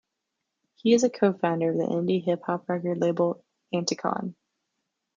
He is a co-founder of the indie hip hop record label Anticon.